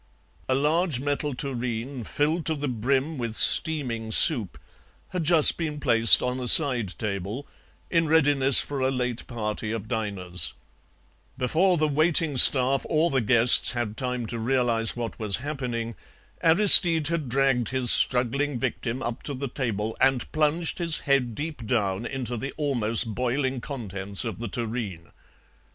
A large metal tureen, filled to the brim with steaming soup, had just been placed on a side table in readiness for a late party of diners; before the waiting staff or the guests had time to realize what was happening, Aristide had dragged his struggling victim up to the table and plunged his head deep down into the almost boiling contents of the tureen.